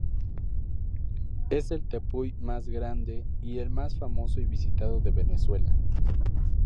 Es el tepuy más grande, y el más famoso y visitado de Venezuela.